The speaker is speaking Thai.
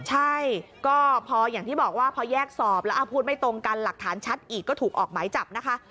ใช่ก็พออย่างที่บอกว่าพอแยกสอบแล้วพูดไม่ตรงกันหลักฐานชัดอีกก็ถูกออกหมายจับนะคะ